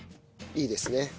いいですね。